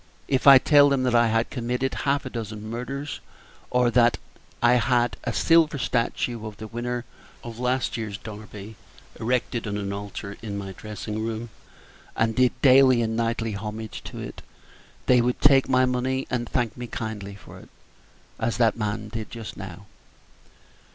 If I told them that I had committed half a dozen murders, or that I had a silver statue of the winner of last year's Derby erected on an altar in my dressing room, and did daily and nightly homage to it, they would take my money and thank me kindly for it, as that man did just now."